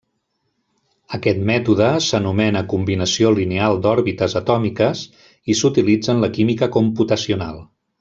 Aquest mètode s'anomena combinació lineal d'òrbites atòmiques i s'utilitza en la química computacional.